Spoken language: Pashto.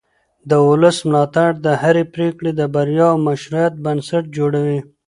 د ولس ملاتړ د هرې پرېکړې د بریا او مشروعیت بنسټ جوړوي